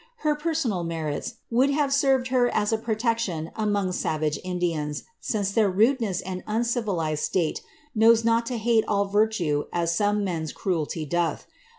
Her personal merits ^oold have served her as a protection among savage Indians, since their rudeness and uncivilized state knows not to hate all virtue as some men^s cruelty doth.